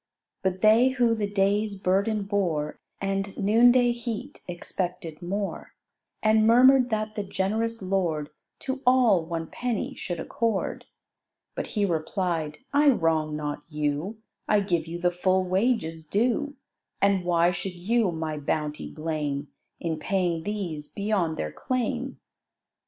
But they who the day's burden bore And noonday heat, expected more: And murmur'd that the generous lord To all one penny should accord. But he replied, "I wrong not you; I give you the full wages due; And why should you my bounty blame, In paying these beyond their claim?"